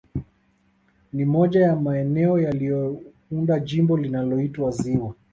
Ni moja ya maeneo yaliyounda Jimbo lililoitwa ziwa